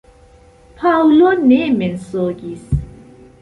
Paŭlo ne mensogis.